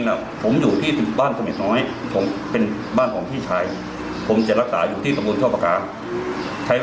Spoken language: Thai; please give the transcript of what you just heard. ให้เขาพักหน่อยใช่พูดคนเดียวแล้ว